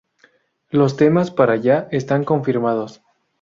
Los temas para ya están confirmados.